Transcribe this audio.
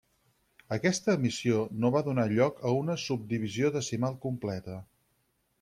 Aquesta emissió no va donar lloc a una subdivisió decimal completa.